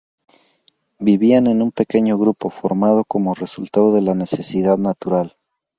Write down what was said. Vivían en un pequeño grupo, formado como resultado de la necesidad natural.